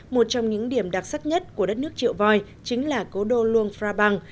một trong những điểm đặc sắc nhất của đất nước triệu vòi chính là cố đô luông phra bang